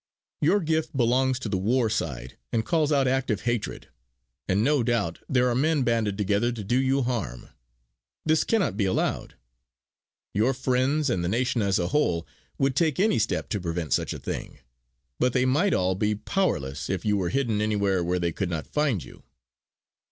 Your gift belongs to the war side and calls out active hatred; and no doubt there are men banded together to do you harm. This cannot be allowed. Your friends, and the nation as a whole, would take any step to prevent such a thing; but they might all be powerless if you were hidden anywhere where they could not find you."